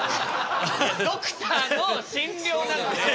ドクターの診療なんで。